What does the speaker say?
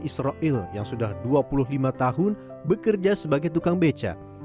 israel yang sudah dua puluh lima tahun bekerja sebagai tukang becak